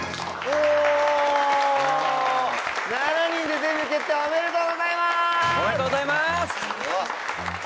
おめでとうございます！